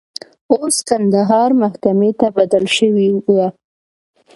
اوس کندهار محکمې ته تبدیل شوی و.